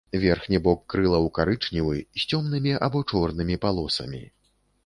Верхні бок крылаў карычневы з цёмнымі або чорнымі палосамі.